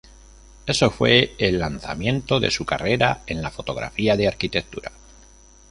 Eso fue el lanzamiento de su carrera en la fotografía de arquitectura.